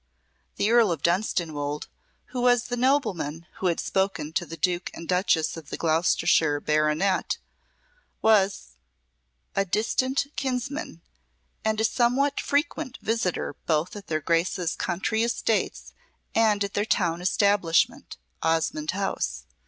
The Earl of Dunstanwolde, who was the nobleman who had spoken to the Duke and Duchess of the Gloucestershire Baronet, was a distant kinsman, and a somewhat frequent visitor both at their Graces' country estates and at their town establishment, Osmonde House.